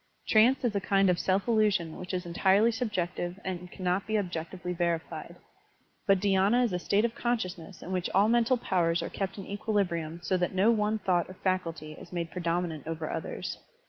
Trance is a kind of self illusion which is entirely subjective and cannot be objectively verified, but dhySna is a state of consciousness in which all mental powers are kept in equilibritim so that no one thought or faculty is made predominant over others.